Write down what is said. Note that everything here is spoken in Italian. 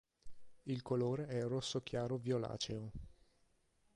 Il colore è rosso chiaro violaceo.